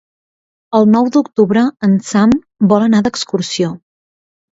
El nou d'octubre en Sam vol anar d'excursió.